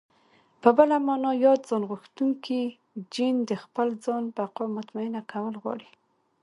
په بله مانا ياد ځانغوښتونکی جېن د خپل ځان بقا مطمينه کول غواړي.